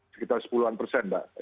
sekitar sepuluhan persen mbak